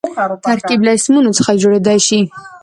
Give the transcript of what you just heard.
ترکیب له اسمونو څخه جوړېدای سي.